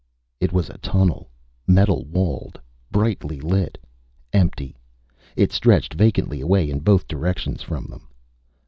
It was a tunnel, metal walled, brightly lit. Empty, it stretched vacantly away in both directions from them.